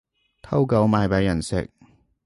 偷狗賣畀人食